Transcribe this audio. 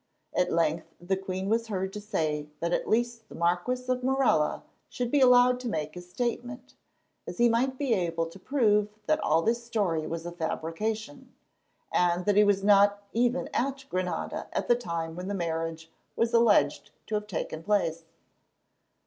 At length the queen was heard to say that at least the Marquis of Morella should be allowed to make his statement, as he might be able to prove that all this story was a fabrication, and that he was not even at Granada at the time when the marriage was alleged to have taken place.